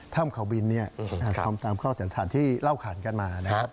ถ้ำเขาบินทำตามข้อสันฐานที่เล่าขันกันมานะครับ